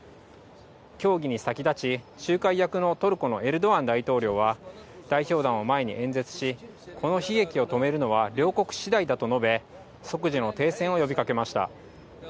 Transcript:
協議に先立ち、仲介役のトルコのエルドアン大統領は、代表団を前に演説し、この悲劇を止めるのは両国次第だと述べ、即時の停戦を呼びかけました。